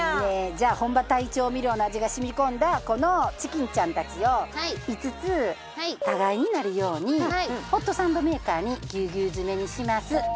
じゃあ本場タイ調味料の味が染み込んだこのチキンちゃんたちを５つ互いになるようにホットサンドメーカーにギュウギュウ詰めにします。